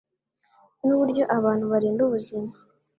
n’uburyo abantu barinda ubuzima